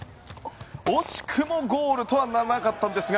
惜しくもゴールとはならなかったんですが。